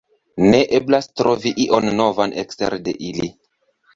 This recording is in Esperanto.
Ne eblas trovi ion novan ekstere de ili.